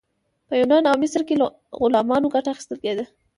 په یونان او مصر کې له غلامانو ګټه اخیستل کیده.